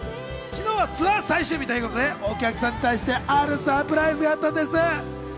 昨日はツアー最終日ということで、お客さんに対してあるサプライズがあったんです。